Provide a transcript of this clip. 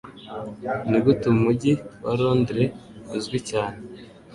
Nigute umugi wa Londres uzwi cyane?